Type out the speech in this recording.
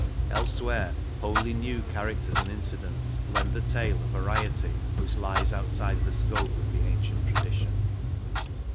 Elsewhere, wholly new characters and incidents lend the tale a variety which lies outside the scope of the ancient tradition.